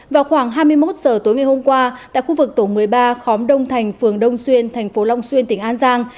vào khoảng hai mươi một giờ tối ngày hôm qua tại khu vực tổ một mươi ba khóm đông thành phường đông xuyên thành phố long xuyên tỉnh an giang